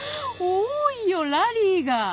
多いよラリーが！